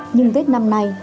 nhưng tết năm nay